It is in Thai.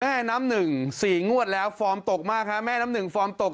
แม่น้ำหนึ่งสี่งวดแล้วฟอร์มตกมากฮะแม่น้ำหนึ่งฟอร์มตก